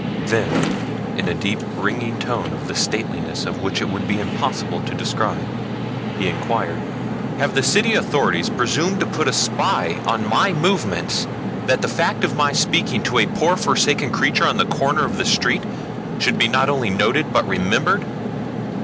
Then in a deep ringing tone the stateliness of which it would be impossible to describe, he inquired, "Have the city authorities presumed to put a spy on my movements, that the fact of my speaking to a poor forsaken creature on the corner of the street should be not only noted but remembered?"